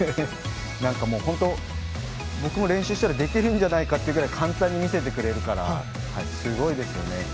なんか本当、僕も練習したらできるんじゃないかというぐらい簡単に見せてくれるからすごいですよね。